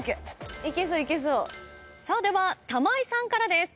さあでは玉井さんからです。